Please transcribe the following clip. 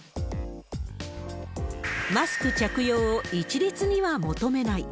マスク着用を一律には求めない。